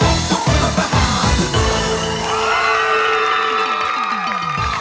มันไม่ใช่รถตุกมันรถมหาสนุก